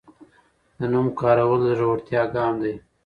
د نوم کارول د زړورتیا ګام و.